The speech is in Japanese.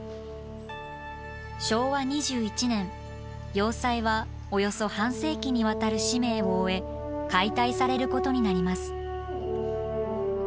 昭和２１年要塞はおよそ半世紀にわたる使命を終え解体されることになります。